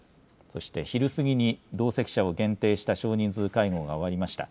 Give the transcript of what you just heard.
そして昼過ぎに同席者を限定した少人数会合が終わりました。